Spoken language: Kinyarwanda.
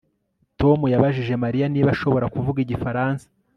Tom yabajije Mariya niba ashobora kuvuga igifaransa